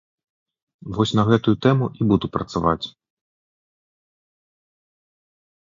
Вось на гэтую тэму і буду працаваць.